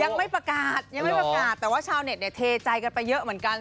ยังไม่ประกาศแต่ว่าชาวเน็ตเทใจกันไปเยอะเหมือนกัน